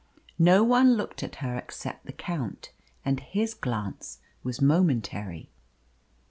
No one looked at her except the Count, and his glance was momentary.